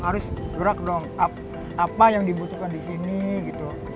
harus gerak dong apa yang dibutuhkan di sini gitu